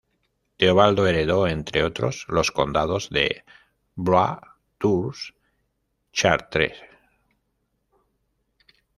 Teobaldo heredó, entre otros, los condados de Blois, Tours, Chartres.